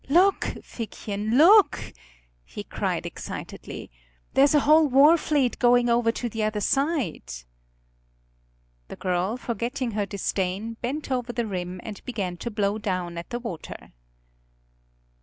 "Look, Figchen, look," he cried excitedly, "there's a whole war fleet going over to the other side." The girl, forgetting her disdain, bent over the rim and began to blow down at the water.